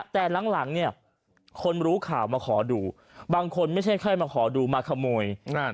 แต่หลังเนี่ยคนรู้ข่าวมาขอดูบางคนไม่ใช่แค่มาขอดูมาขโมย